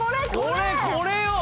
これこれよ！